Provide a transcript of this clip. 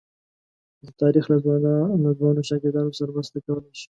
د تاریخ له ځوانو شاګردانو سره مرسته کولای شي.